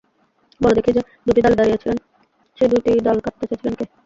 বলো দেখি যে-দুটি ডালে দাঁড়িয়েছিলেন সেই দুটি ডাল কাটতে চেয়েছিলেন কে?